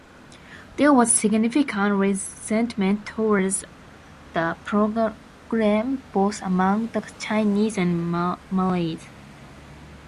There was significant resentment towards the programme both among the Chinese and Malays.